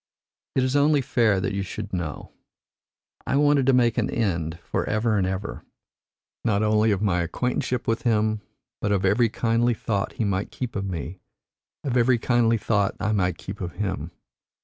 It is only fair that you should know. I wanted to make an end for ever and ever, not only of my acquaintanceship with him, but of every kindly thought he might keep of me, of every kindly thought I might keep of him.